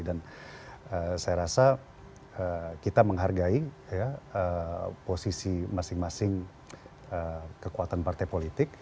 dan saya rasa kita menghargai posisi masing masing kekuatan partai politik